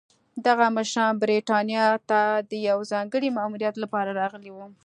دغه مشران برېټانیا ته د یوه ځانګړي ماموریت لپاره راغلي وو.